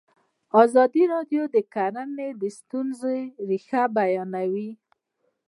ازادي راډیو د کرهنه د ستونزو رېښه بیان کړې.